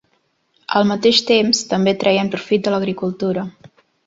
Al mateix temps, també treien profit de l'agricultura.